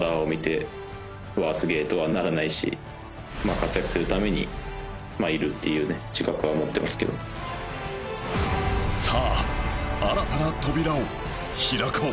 活躍するためにいるっていう自覚は持ってますけどさあ新たな扉を開こう